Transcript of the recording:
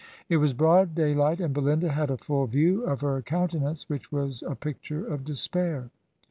It was broad daylight, and Belinda had a full view of her coun tenance, which was a picture of despair.